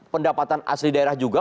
pendapatan asli daerah juga